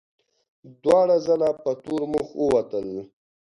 دواړه ځله په تور مخ ووتل.